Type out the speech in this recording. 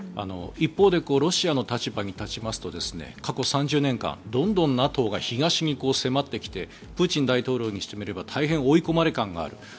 一方でロシアの立場に立ちますと過去３０年間、どんどんＮＡＴＯが東に迫ってきてプーチン大統領にしてみれば大変追い込まれ感がある。